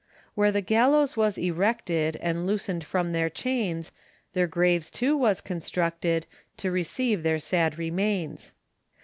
Where the gallows was erected, And loosened from their chains; Their graves too was constructed, To receive their sad remains.